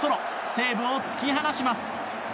西武を突き放します。